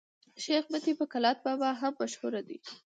شېخ متي په کلات بابا هم مشهور دئ.